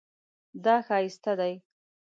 دا ښایسته دی